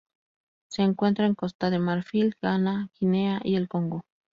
Se encuentra en Costa de Marfil, Ghana, Guinea y el Congo.